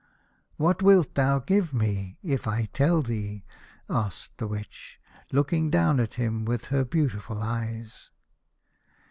•"What wilt thou give me if I tell thee?" asked the Witch, looking down at him with her beautiful eyes.